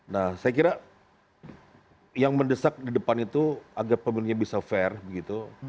nah saya kira yang mendesak di depan itu agar pemilunya bisa fair begitu